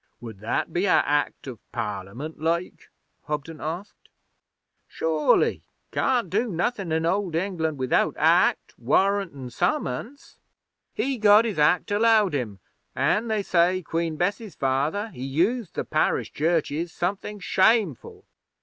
'Would that be a Act of Parliament like?' Hobden asked. 'Sure ly. Can't do nothing in Old England without Act, Warrant an' Summons. He got his Act allowed him, an', they say, Queen Bess's father he used the parish churches something shameful.